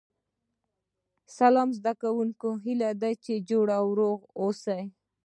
سلام زده کوونکو هیله ده چې جوړ او روغ اوسئ